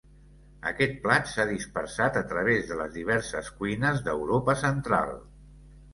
Aquest plat s'ha dispersat a través de les diverses cuines d'Europa Central.